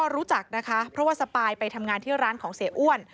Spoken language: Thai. รู้จักนะคะเพราะว่าสปายไปทำงานที่ร้านของเสียอ้วน